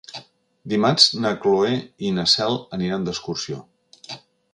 Dimarts na Cloè i na Cel aniran d'excursió.